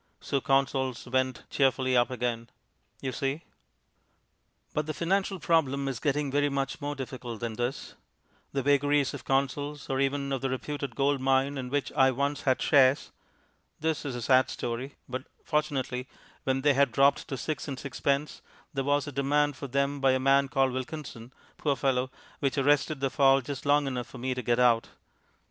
So Consols went cheerfully up again. You see? But the financial problem is getting very much more difficult than this, The vagaries of Consols, or even of the reputed gold mine in which I once had shares (this is a sad story, but, fortunately, when they had dropped to six and sixpence, there was a demand for them by a man called Wilkinson, poor fellow, which arrested the fall just long enough for me to get out.